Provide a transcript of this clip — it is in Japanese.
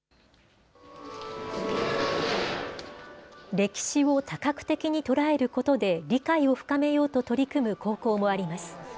歴史を多角的に捉えることで、理解を深めようと取り組む高校もあります。